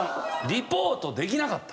リポートできなかった。